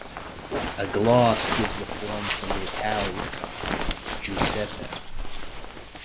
A gloss gives the form from the Italian, Giuseppe.